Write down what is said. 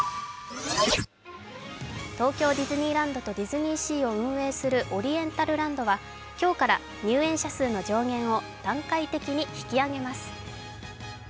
東京ディズニーランドとディズニーシーを運営するオリエンタルランドは今日から入園者数の増減を段階的に引き上げます。